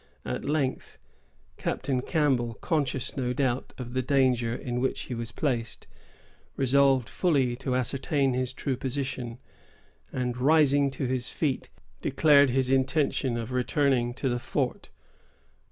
At length, Captain Campbell, conscious, no doubt, of the danger in which he was placed, resolved fully to ascertain his true position, and, rising to his feet, declared his intention of returning to the fort.